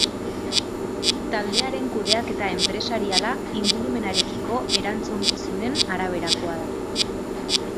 Taldearen kudeaketa enpresariala ingurumenarekiko erantzukizunen araberakoa da.